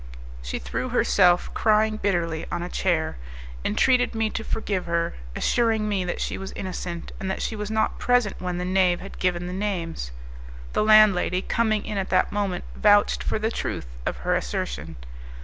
She threw herself, crying bitterly, on a chair, entreated me to forgive her, assuring me that she was innocent, and that she was not present when the knave had given the names. The landlady, coming in at that moment, vouched for the truth of her assertion.